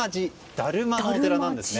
だるまのお寺なんですね。